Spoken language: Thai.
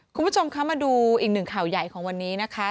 คุณผู้ชมคะมาดูอีกหนึ่งข่าวใหญ่ของวันนี้นะคะ